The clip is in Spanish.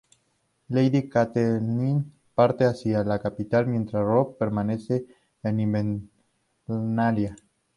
Lady Catelyn parte hacia la capital, mientras Robb permanece en Invernalia.